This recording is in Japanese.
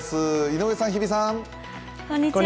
井上さん、日比さん。